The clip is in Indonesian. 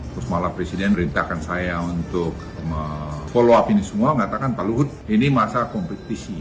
terus malah presiden perintahkan saya untuk follow up ini semua mengatakan pak luhut ini masa kompetisi